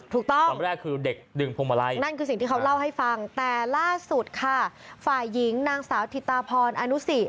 ถูกต้องนั่นคือสิ่งที่เขาเล่าให้ฟังแต่ล่าสุดค่ะฝ่ายหญิงนางสาวธิตาพรอนุสิ